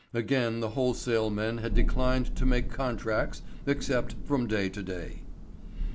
Again the wholesale men had declined to make contracts except from day to day.